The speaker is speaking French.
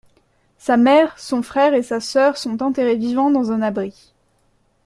Sa mère, son frère et sa sœur sont enterrés vivants dans un abri.